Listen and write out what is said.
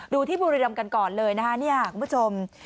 ดูที่บูริลำกันก่อนเลยนะคุณผู้ชม